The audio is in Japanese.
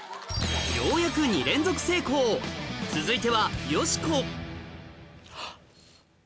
ようやく２連続成功続いてはよしこはっ。